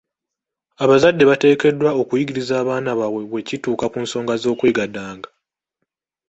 Abazadde bateekeddwa okuyigiriza abaana baabwe bwe kituuka ku nsonga z'okwegadanga.